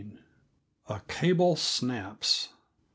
A Cable Snaps.